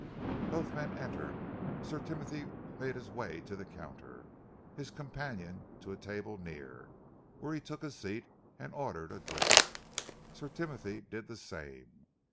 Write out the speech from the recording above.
Both men entered. Sir Timothy made his way to the counter, his companion to a table near, where he took a seat and ordered a drink. Sir Timothy did the same.